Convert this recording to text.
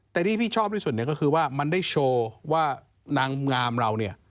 แต่ที่พี่ชอบที่สุดเนี่ยก็คือว่ามันได้โชว์ว่านางงามเราเนี่ย